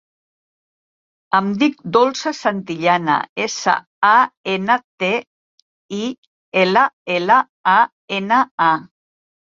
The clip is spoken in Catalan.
Em dic Dolça Santillana: essa, a, ena, te, i, ela, ela, a, ena, a.